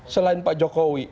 selain pak jokowi